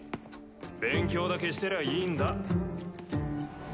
勉強だけしてりゃいいんだ。